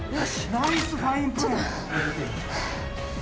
ナイスファインプレー。